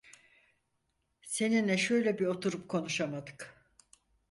Seninle şöyle bir oturup konuşamadık!